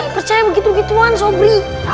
percaya begitu begituan sobri